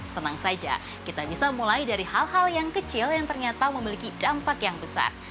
tenang saja kita bisa mulai dari hal hal yang kecil yang ternyata memiliki dampak yang besar